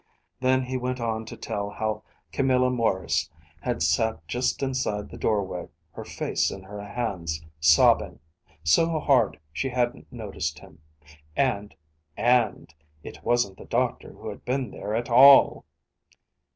Then he went on to tell how Camilla Maurice had sat just inside the doorway, her face in her hands, sobbing, so hard she hadn't noticed him; and and it wasn't the doctor who had been there at all!